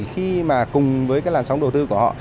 khi mà cùng với cái làn sóng đầu tư của họ